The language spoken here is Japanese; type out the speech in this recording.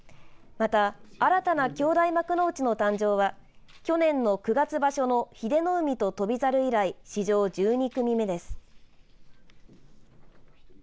また、新たな兄弟幕内の誕生は去年の９月場所の英乃海と翔猿以来史上１２組目です。